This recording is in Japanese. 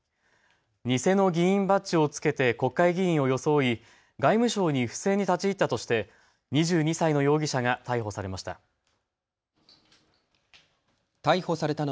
偽の議員バッジを着けて国会議員を装い外務省に不正に立ち入ったとして２２歳の容疑者が逮捕されました。